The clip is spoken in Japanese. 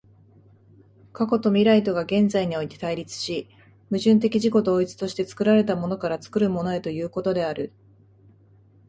過去と未来とが現在において対立し、矛盾的自己同一として作られたものから作るものへということである。